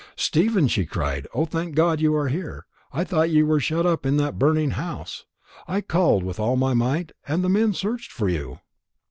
"Stephen!" she cried. "O, thank God you are here! I thought you were shut up in that burning house. I called with all my might, and the men searched for you."